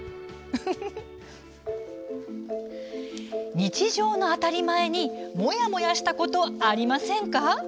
日常の「当たり前」にもやもやしたことありませんか？